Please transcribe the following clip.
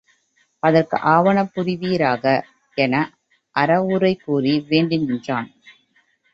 அதற்கு ஆவன புரிவீராக! என அறவுரை கூறி வேண்டி நின்றான்.